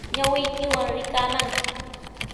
Ñawiykiwan rikaamanki